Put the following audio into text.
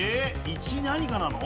「１何か」なの？